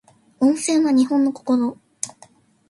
温泉は日本の心